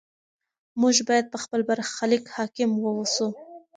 موږ باید په خپل برخلیک حاکم واوسو.